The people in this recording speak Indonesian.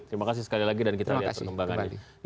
terima kasih sekali lagi dan kita lihat perkembangannya